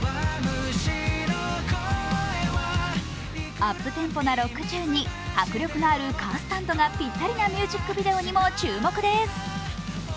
アップテンポなロックチューンに迫力あるカースタントがぴったりなミュージックビデオに注目です。